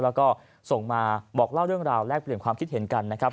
แล้วก็ส่งมาบอกเล่าเรื่องราวแลกเปลี่ยนความคิดเห็นกันนะครับ